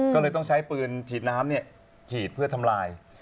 ก็เลยต้องใช้ปืนฉีดน้ำฉีดเพื่อทำลาย